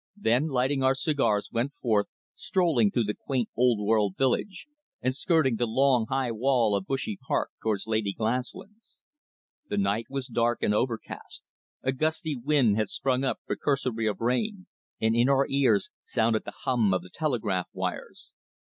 then lighting our cigars went forth, strolling through the quaint old world village, and skirting the long, high wall of Bushey Park towards Lady Glaslyn's. The night was dark and overcast, a gusty wind had sprung up precursory of rain, and in our ears sounded the hum of the telegraph wires.